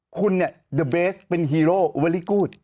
คุณเนี่ยเดอร์เบสเป็นฮีโร่เวอรี่กูธ